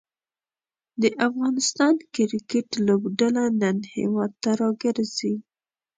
د افغانستان کریکټ لوبډله نن هیواد ته راګرځي.